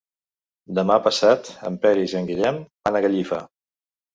Demà passat en Peris i en Guillem van a Gallifa.